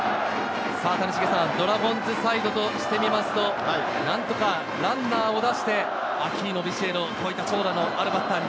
ドラゴンズサイドとして見ますと、何とかランナーを出して、アキーノ、ビシエド、そうした長打のあるバッターに。